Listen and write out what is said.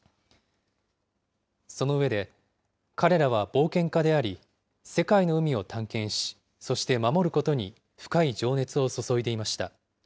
その上で、彼らは冒険家であり、世界の海を探検し、そして守ることに深い情熱を注いでいました。